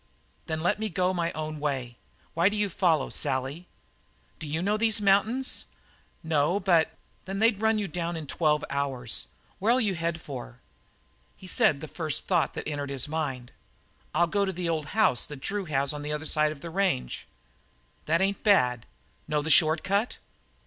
"Then let me go my own way. Why do you follow, Sally?" "D'you know these mountains?" "No, but " "Then they'd run you down in twelve hours. Where'll you head for?" He said, as the first thought entered his mind: "I'll go for the old house that Drew has on the other side of the range." "That ain't bad. Know the short cut?"